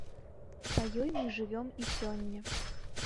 Па ёй мы жывём і сёння.